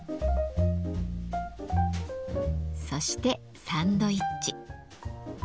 そしてサンドイッチ。